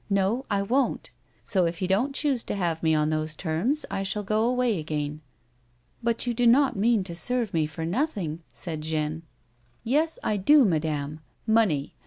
No ! I won't ! So, if you don't choose to have me on those terms, I shall go away again." " But you do not mean to serve me for nothing ?" said Jeanne. " Yes I do, madame. Money